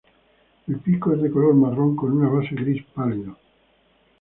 El pico es de color marrón con una base gris pálido.